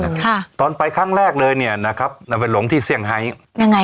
ค่ะตอนไปครั้งแรกเลยเนี้ยนะครับนำไปหลงที่เซี่ยงไฮยังไง